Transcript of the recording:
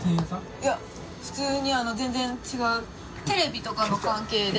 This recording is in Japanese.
い普通に全然違うテレビとかの関係で。